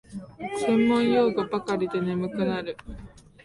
専門用語ばかりで眠くなる